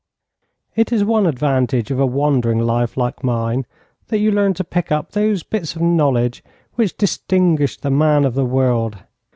It is one advantage of a wandering life like mine, that you learn to pick up those bits of knowledge which distinguish the man of the world.